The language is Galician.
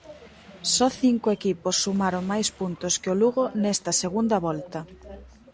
Só cinco equipos sumaron máis puntos que o Lugo nesta segunda volta.